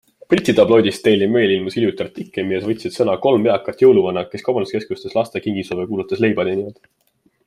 Briti tabloidis Daily Mail ilmus hiljuti artikkel, milles võtsid sõna kolm eakat jõuluvana, kes kaubanduskeskustes laste kingisoove kuulates leiba teenivad.